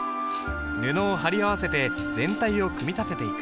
布を貼り合わせて全体を組み立てていく。